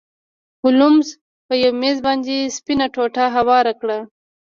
هولمز په میز باندې سپینه ټوټه هواره کړه.